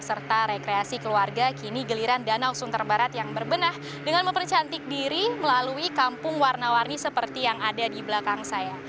serta rekreasi keluarga kini geliran danau sunter barat yang berbenah dengan mempercantik diri melalui kampung warna warni seperti yang ada di belakang saya